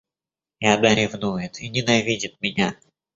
И она ревнует и ненавидит меня.